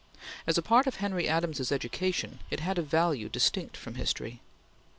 As a part of Henry Adams's education it had a value distinct from history.